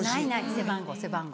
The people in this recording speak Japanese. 背番号背番号。